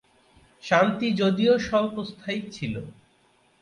শান্তি যদিও স্বল্পস্থায়ী ছিল।